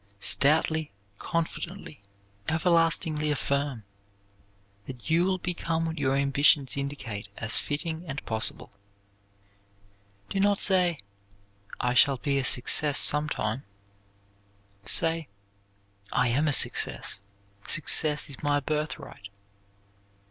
Stoutly, constantly, everlastingly affirm that you will become what your ambitions indicate as fitting and possible. Do not say, "I shall be a success sometime"; say, "I am a success. Success is my birthright."